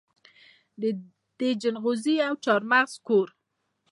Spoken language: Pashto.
د جلغوزي او چارمغز کور.